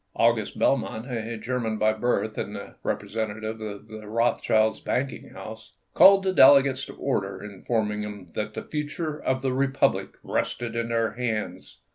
August Belmont, a German by birth and the representative of the Rothschilds' banking house, called the delegates to order, informing them that the future of the Republic rested in their hands.